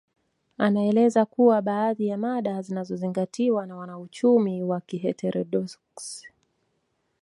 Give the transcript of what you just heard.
Anaeleza kuwa baadhi ya mada zinazozingatiwa na wanauchumi wa kiheterodoksi